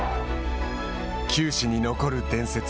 球史に残る伝説。